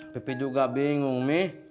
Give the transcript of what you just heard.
pipi juga bingung mih